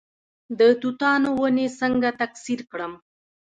د توتانو ونې څنګه تکثیر کړم؟